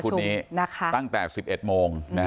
วันพุทธนี้ตั้งแต่๑๑โมง